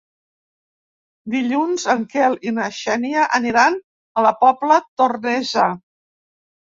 Dilluns en Quel i na Xènia aniran a la Pobla Tornesa.